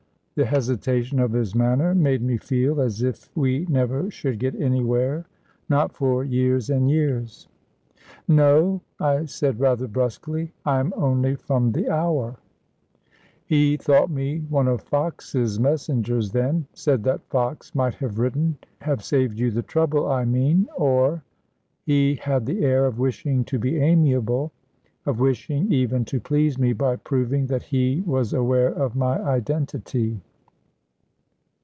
The hesitation of his manner made me feel as if we never should get anywhere not for years and years. "No," I said, rather brusquely, "I'm only from the Hour." He thought me one of Fox's messengers then, said that Fox might have written: "Have saved you the trouble, I mean ... or...." He had the air of wishing to be amiable, of wishing, even, to please me by proving that he was aware of my identity.